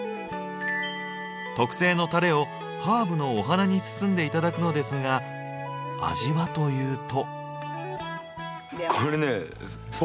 特製のタレをハーブのお花に包んで頂くのですが味はというと。